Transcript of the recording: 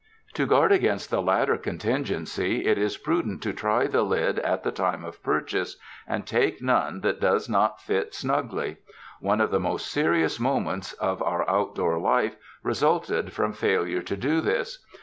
To guard against the latter contingency it is prudent to try the lid at the time of purchase, and take none that does not fit snugly. One of the most serious moments of our outdoor life resulted from failure to do this.